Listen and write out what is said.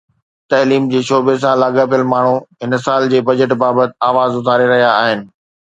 تعليم جي شعبي سان لاڳاپيل ماڻهو هن سال جي بجيٽ بابت آواز اٿاري رهيا آهن